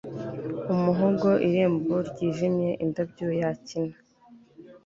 umuhogo 'irembo ryijimye, indabyo yakina